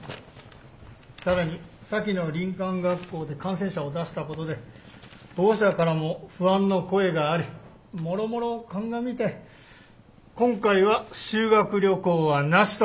更に先の林間学校で感染者を出したことで保護者からも不安の声がありもろもろ鑑みて今回は修学旅行はなしと。